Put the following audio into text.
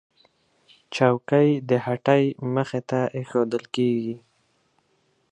چوکۍ د هټۍ مخې ته ایښودل کېږي.